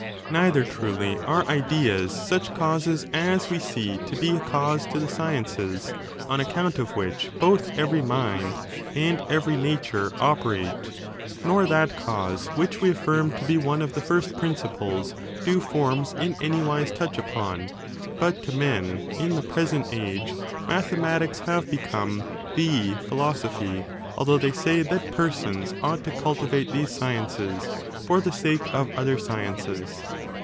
Neither, truly, are ideas such causes as we see to be a cause to the sciences, on account of which both every mind and every nature operate; nor that cause which we affirm to be one of the first principles do forms in anywise touch upon ; but to men, in the present age, mathematics have become the philosophy; although they say that persons ought to culti vate these sciences for the sake of other sciences.